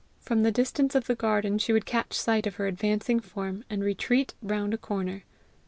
From the distance of the garden she would catch sight of her advancing form, and retreat round a corner.